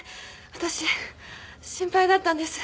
私心配だったんです。